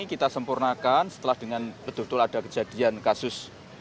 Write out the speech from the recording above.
kita sempurnakan setelah dengan betul betul ada kejadian kasus